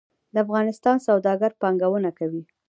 د افغانستان سوداګر پانګونه کوي